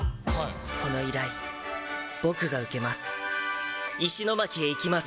この依頼、僕が受けます。